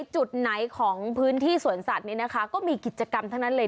จุดไหนของพื้นที่สวนสัตย์นี่ก็มีกิจกรรมเท่านั้นเลย